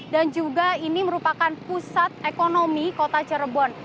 dan juga ini merupakan pusat ekonomi kota cirebon